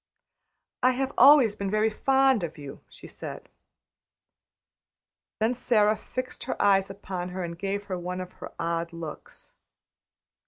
"I have always been very fond of you," she said. Then Sara fixed her eyes upon her and gave her one of her odd looks.